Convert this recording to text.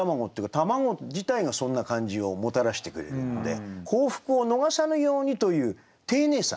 卵自体がそんな感じをもたらしてくれるんで「幸福を逃さぬやうに」という丁寧さ。